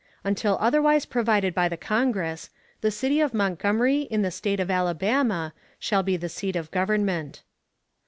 Until otherwise provided by the Congress, the city of Montgomery, in the State of Alabama, shall be the seat of government.